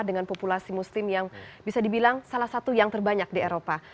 dengan populasi muslim yang bisa dibilang salah satu yang terbanyak di eropa